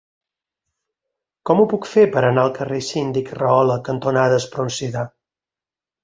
Com ho puc fer per anar al carrer Síndic Rahola cantonada Espronceda?